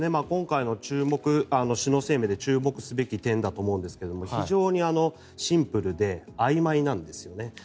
今回の首脳声明で注目すべき点だと思うんですが非常にシンプルであいまいなんですよね。